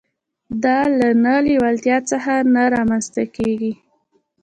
دا له نه لېوالتيا څخه نه رامنځته کېږي.